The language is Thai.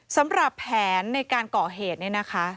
สำหรับแผนในการก่อเหตุเนี่ยนะคะ